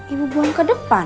ibu buang ke depan